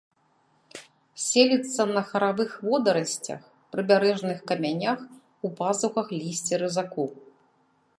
Селіцца на харавых водарасцях, прыбярэжных камянях, у пазухах лісця разаку.